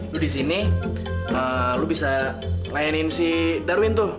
lu di sini lo bisa layanin si darwin tuh